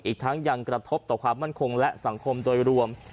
อีกทั้งยังกระทบต่อความมั่นคงและสังคมโดยรวม